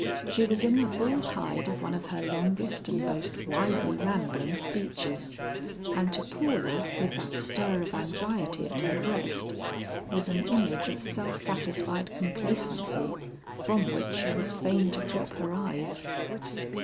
She was in the full tide of one of her longest and most widely rambling speeches, and to Paula, with that stir of anxiety at her breast, was an image of self satisfied complacency from which she was fain to drop her eyes.